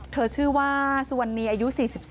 ชื่อว่าสุวรรณีอายุ๔๒